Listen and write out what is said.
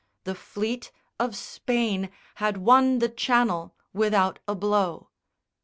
The fleet Of Spain had won the Channel without a blow.